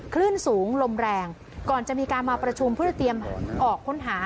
คลื่นสูงลมแรงก่อนจะมีการมาประชุมเพื่อเตรียมออกค้นหา